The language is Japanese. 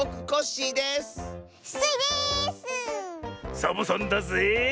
サボさんだぜえ！